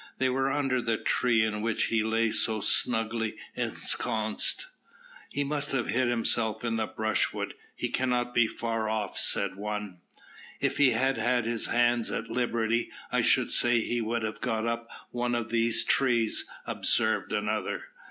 They were under the tree in which he lay so snugly ensconced. "He must have hid himself in the brushwood; he cannot be far off," said one. "If he had had his hands at liberty, I should say he would have got up one of these trees," observed another.